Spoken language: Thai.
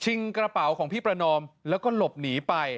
กระเป๋าของพี่ประนอมแล้วก็หลบหนีไป